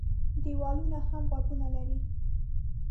دېوالونه هم غوږونه لري.